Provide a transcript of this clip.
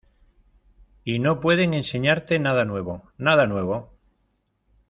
Y no pueden enseñarte nada nuevo, nada nuevo.